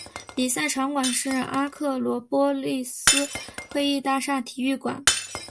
比赛场馆是阿克罗波利斯会议大厦体育馆。